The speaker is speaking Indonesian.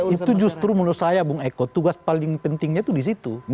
itu justru menurut saya bung eko tugas paling pentingnya itu di situ